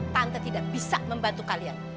tante tidak bisa membantu kalian